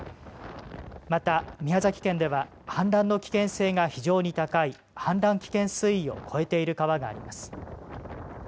また、宮崎県では氾濫の危険性が非常に高い、氾濫危険水位を超えている川があります。